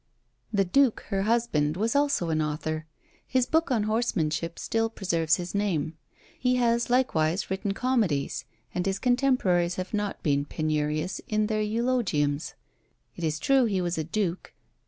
The duke, her husband, was also an author; his book on horsemanship still preserves his name. He has likewise written comedies, and his contemporaries have not been, penurious in their eulogiums. It is true he was a duke.